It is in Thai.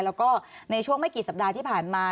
แล้วก็ในช่วงไม่กี่สัปดาห์ที่ผ่านมา